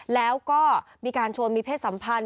แล้วก็มีการชวนมีเพศสัมพันธ